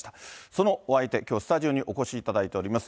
そのお相手、きょうスタジオにお越しいただいております。